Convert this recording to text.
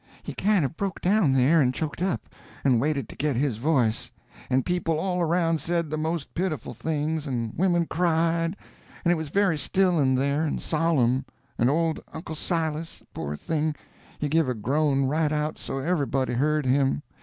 He kind of broke down there and choked up, and waited to get his voice; and people all around said the most pitiful things, and women cried; and it was very still in there, and solemn, and old Uncle Silas, poor thing, he give a groan right out so everybody heard him.